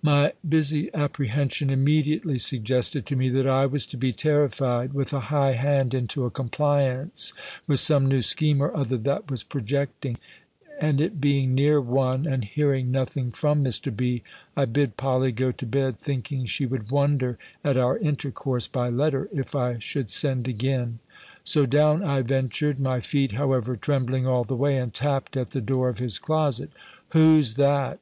My busy apprehension immediately suggested to me, that I was to be terrified, with a high hand, into a compliance with some new scheme or other that was projecting; and it being near one, and hearing nothing from Mr. B., I bid Polly go to bed, thinking she would wonder at our intercourse by letter, if I should send again. So down I ventured, my feet, however, trembling all the way, and tapped at the door of his closet. "Who's that?"